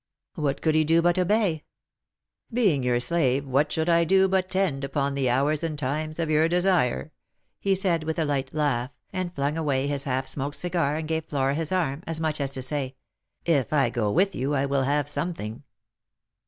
What could he do but obey ?" Being your slave, what should I do but tend upon the hours and times of your desire ?" he said with a light laugh, and flung away his half smoked cigar, and gave Flora his arm, as much as to say, " If I go with you I will have something."